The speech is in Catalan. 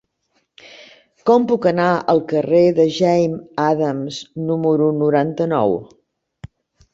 Com puc anar al carrer de Jane Addams número noranta-nou?